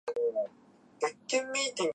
こんかいのミッションは失敗だ